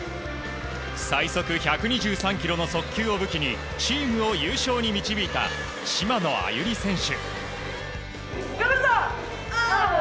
最速１２３キロの速球を武器にチームを優勝に導いた島野愛友利選手。